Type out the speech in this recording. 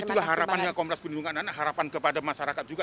itulah harapannya komnas perlindungan anak harapan kepada masyarakat juga